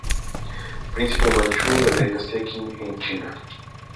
Príncipe Manchú de la dinastía Qing en China.